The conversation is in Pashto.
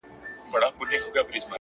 حُسنه دا عجيبه شانې کور دی لمبې کوي _